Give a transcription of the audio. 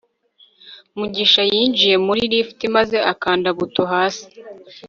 mugisha yinjiye muri lift maze akanda buto hasi